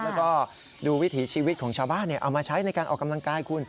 แล้วก็ดูวิถีชีวิตของชาวบ้านเอามาใช้ในการออกกำลังกายคุณ